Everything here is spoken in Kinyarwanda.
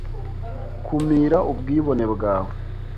Kumira ubwibone bwawe